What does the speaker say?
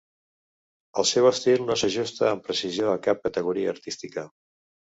El seu estil no s'ajusta amb precisió a cap categoria artística.